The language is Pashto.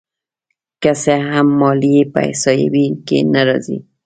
که څه هم ماليې په احصایو کې نه راځي